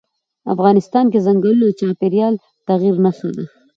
افغانستان کې ځنګلونه د چاپېریال د تغیر نښه ده.